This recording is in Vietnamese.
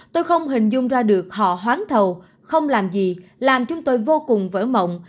tôi không hình dung ra được họ hoáng thầu không làm gì làm chúng tôi vô cùng vỡ mộng